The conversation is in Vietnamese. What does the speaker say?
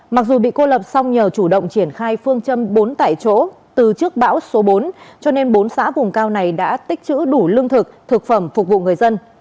mặc dù bị cô lập song nhờ chủ động triển khai phương châm bốn tại chỗ từ trước bão số bốn cho nên bốn xã vùng cao này đã tích chữ đủ lương thực thực phẩm phục vụ người dân